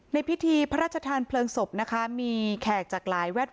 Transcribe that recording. ในพิธีพระราชทานเพลิงศพนะคะ